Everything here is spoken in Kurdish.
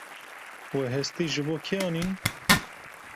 We hestî ji bo kê anîn?